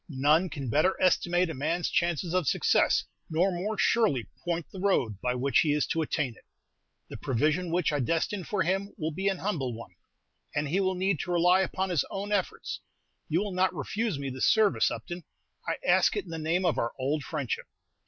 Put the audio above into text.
None can better estimate a man's chances of success, nor more surely point the road by which he is to attain it. The provision which I destine for him will be an humble one, and he will need to rely upon his own efforts. You will not refuse me this service, Upton. I ask it in the name of our old friendship."